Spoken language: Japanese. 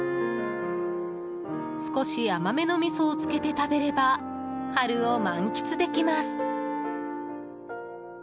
少し甘めのみそを付けて食べれば春を満喫できます。